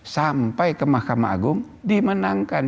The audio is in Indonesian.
sampai ke mahkamah agung dimenangkan